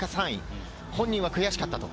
本人は悔しかったと。